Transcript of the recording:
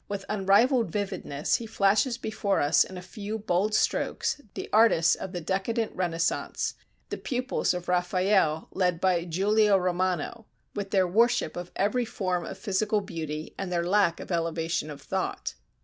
With unrivaled vividness he flashes before us in a few bold strokes the artists of the decadent Renaissance, the pupils of Raphael, led by Giulio Romano, with their worship of every form of physical beauty and their lack of elevation of thought.